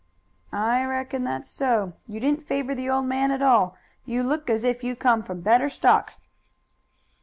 "I reckon that's so. You didn't favor the old man at all. You look as if you came from better stock."